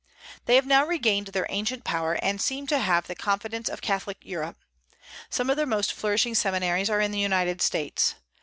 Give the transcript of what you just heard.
They have now regained their ancient power, and seem to have the confidence of Catholic Europe. Some of their most flourishing seminaries are in the United States.